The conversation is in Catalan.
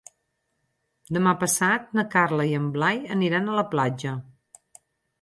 Demà passat na Carla i en Blai aniran a la platja.